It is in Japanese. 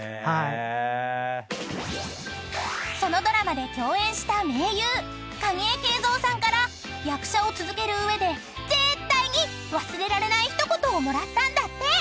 ［そのドラマで共演した名優蟹江敬三さんから役者を続ける上で絶対に忘れられない一言をもらったんだって］